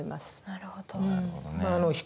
なるほどね。